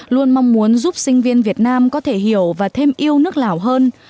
luôn mong muốn giúp sinh viên việt nam có thể hiểu và thêm yêu nước lào hơn